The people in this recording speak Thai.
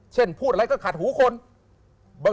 พูดอะไรก็ขัดหูคน